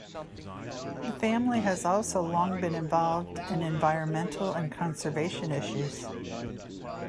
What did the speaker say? The family has also long been involved in environmental and conservation issues.